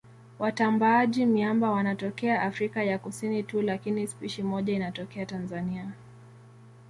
Watambaaji-miamba wanatokea Afrika ya Kusini tu lakini spishi moja inatokea Tanzania.